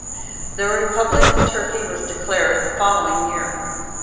The Republic of Turkey was declared the following year.